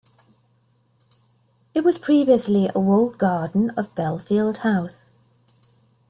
It was previously a walled garden of Belfield House.